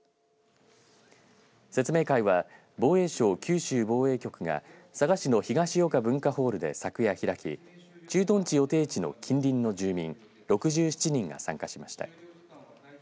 説明会は防衛省九州防衛局が佐賀市の東与賀文化ホールで昨夜開き駐屯地予定地の近隣の住民６７人が参加しました。